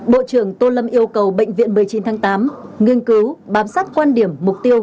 bộ trưởng tô lâm yêu cầu bệnh viện một mươi chín tháng tám nghiên cứu bám sát quan điểm mục tiêu